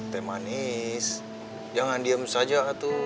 teh manis jangan diam saja tuh